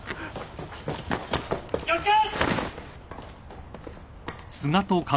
気を付け！